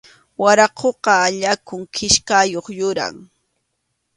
Waraquqa allakuq kichkayuq yuram.